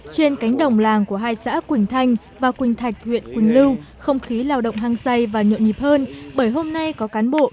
trên cánh đồng làng của hai xã quỳnh thanh và quỳnh thạch huyện quỳnh lưu không khí lao động hăng say và nhộn nhịp hơn bởi hôm nay có cán bộ